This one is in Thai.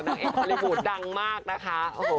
นางเอกฮาลิบูทดังมากนะคะ